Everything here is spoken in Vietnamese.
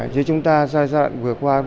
chứ chúng ta giai đoạn vừa qua